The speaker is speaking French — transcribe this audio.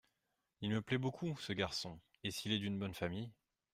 Il me plaît beaucoup, ce garçon… et s’il est d’une bonne famille…